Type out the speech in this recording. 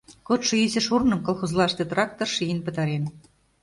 Кодшо ийысе шурным колхозлаште трактор шийын пытарен.